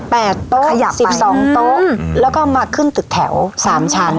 แปดโต๊ะขยับไปสิบสองโต๊ะอืมแล้วก็มาขึ้นตึกแถวสามชั้น